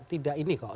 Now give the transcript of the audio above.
tidak ini kok